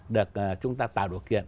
được chúng ta tạo điều kiện